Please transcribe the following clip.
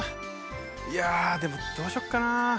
いやでもどうしよっかな？